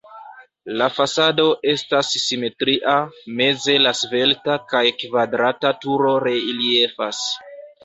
La fasado estas simetria, meze la svelta kaj kvadrata turo reliefas.